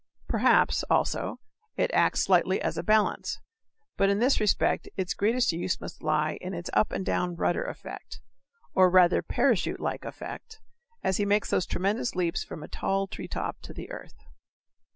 Perhaps, also, it acts slightly as a balance, but in this respect its greatest use must lie in its "up and down" rudder effect or rather parachute like effect as he makes those tremendous leaps from a tall treetop to the earth.